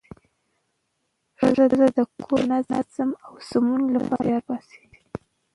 ښځه د کور د نظم او سمون لپاره زیار باسي